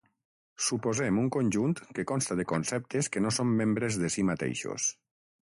Suposem un conjunt que consta de conceptes que no són membres de si mateixos.